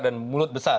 dan mulut besar